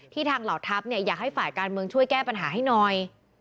ทางเหล่าทัพอยากให้ฝ่ายการเมืองช่วยแก้ปัญหาให้หน่อย